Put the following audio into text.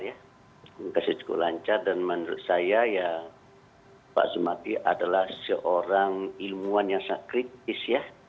komunikasi cukup lancar dan menurut saya pak azumardi adalah seorang ilmuwan yang sangat kritis